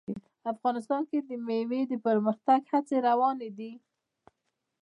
افغانستان کې د مېوې د پرمختګ هڅې روانې دي.